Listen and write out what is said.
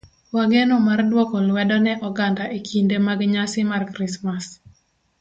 wageno mar dwoko lwedo ne oganda e kinde mag nyasi mar Krismas.